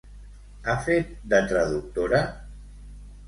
Ha fet de traductora?